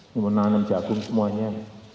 ini menanam jagung semuanya